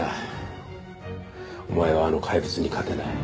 お前はあの怪物に勝てない。